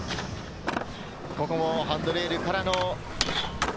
ここもハンドレールからの。